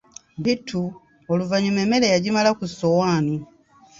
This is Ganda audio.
Bittu oluvannyuma emmere yagimala ku ssowaani.